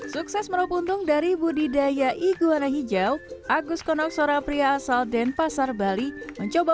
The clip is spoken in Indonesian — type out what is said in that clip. sukses merupuntung dari budidaya iguana hijau agus konoksora pria asal denpasar bali mencoba